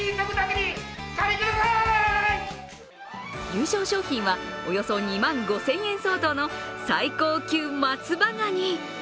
優勝商品は、およそ２万５０００円相当の最高級松葉ガニ。